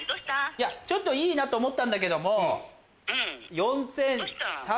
いやちょっといいなと思ったんだけども。